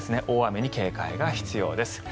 大雨に警戒が必要です。